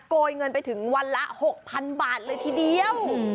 โกยเงินไปถึงวันละ๖๐๐๐บาทเลยทีเดียว